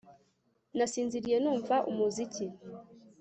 Nasinziriye numva umuziki